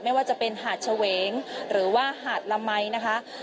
ไม่ว่าจะเป็นหาดเฉวงหรือว่าหาดละไหมนะคะ